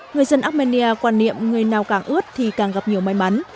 người dân armenia quan niệm người nào càng ướt thì càng gặp nhiều may mắn